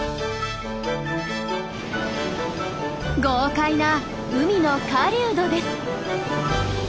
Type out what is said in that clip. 豪快な海の狩人です。